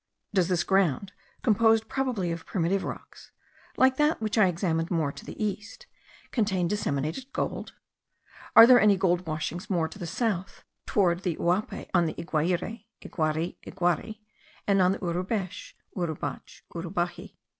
Does this ground, composed probably of primitive rocks, like that which I examined more to the east, contain disseminated gold? Are there any gold washings more to the south, toward the Uaupe, on the Iquiare (Iguiari, Iguari), and on the Yurubesh (Yurubach, Urubaxi)?